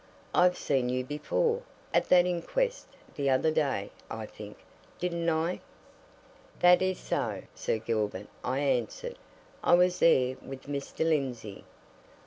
I've seen you before at that inquest the other day, I think. Didn't I?" "That is so, Sir Gilbert," I answered. "I was there, with Mr. Lindsey."